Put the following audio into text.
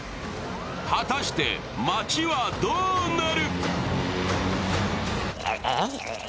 果たして、街はどうなる？